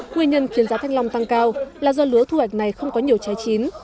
nguyên nhân khiến giá thanh long tăng cao là do lứa thu hoạch này không có nhiều trái chín